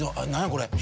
これ。